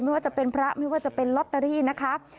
ไม่ว่าจะเป็นพระไม่ว่าจะเป็นลอตเตอรี่นะคะ